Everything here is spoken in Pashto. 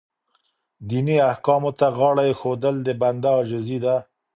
دیني احکامو ته غاړه ایښودل د بنده عاجزي ده.